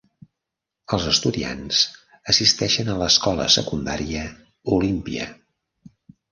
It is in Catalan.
Els estudiants assisteixen a l'escola secundària Olympia.